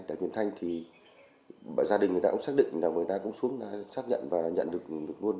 tại nguyễn thanh thì gia đình người ta cũng xác định là người ta cũng xuống xác nhận và nhận được luôn